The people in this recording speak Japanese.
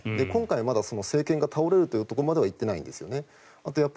今回、まだ政権が倒れるところまではいっていないわけです。